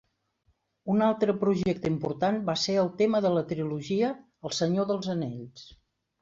Un altre projecte important va ser el tema de la trilogia "El Senyor dels Anells".